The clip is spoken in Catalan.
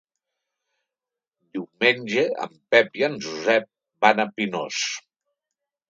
Diumenge en Pep i en Josep van a Pinós.